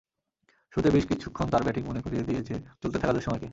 শুরুর বেশ কিছুক্ষণ তাঁর ব্যাটিং মনে করিয়ে দিয়েছে চলতে থাকা দুঃসময়কে।